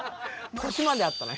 腰まであったな